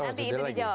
nanti itu dijawab